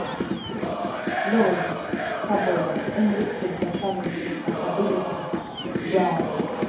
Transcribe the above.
Lord Scarborough enlisted the talents of Capability Brown.